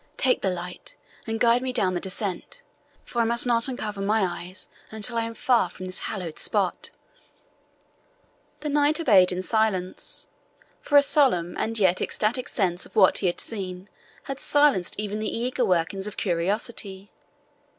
Take the light, and guide me down the descent, for I must not uncover my eyes until I am far from this hallowed spot." The Scottish knight obeyed in silence, for a solemn and yet ecstatic sense of what he had seen had silenced even the eager workings of curiosity.